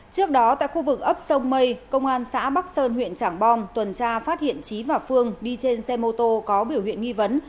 trước đó tại khu vực ấp sông mây công an xã bắc sơn huyện trảng bom tuần tra phát hiện trí và phương đi trên xe mô tô có biểu hiện nghi vấn